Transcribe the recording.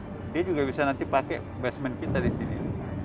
mereka juga bisa pakai basement kita di sini